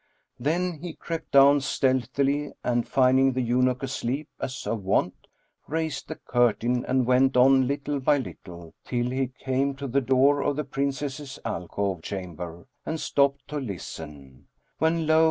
Then he crept down stealthily and, finding the eunuch asleep, as of wont, raised the curtain and went on little by little, till he came to the door of the Princess's alcove [FN#21]chamber and stopped to listen; when lo!